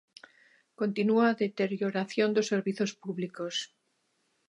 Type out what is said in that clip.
Continúa a deterioración dos servizos públicos.